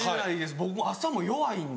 僕朝も弱いんで。